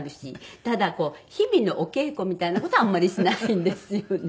ただこう日々のお稽古みたいな事はあんまりしないんですよね。